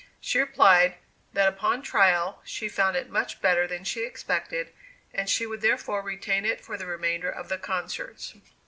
She replied, that upon trial, she found it much better than she expected, and she would therefore retain it for the remainder of the concerts.